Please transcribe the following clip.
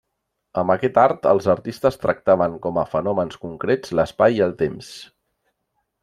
Amb aquest art els artistes tractaven com a fenòmens concrets l’espai i el temps.